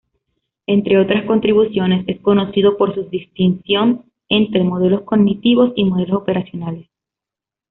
Entre otras contribuciones, es conocido por su distinción entre "modelos cognitivos" y "modelos operacionales".